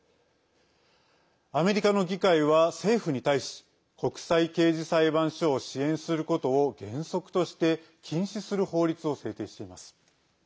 アメリカの議会は政府に対し国際刑事裁判所を支援することを原則として禁止する法律を制定しています。